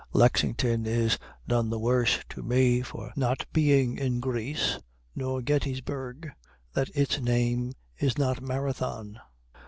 Lexington is none the worse to me for not being in Greece, nor Gettysburg that its name is not Marathon.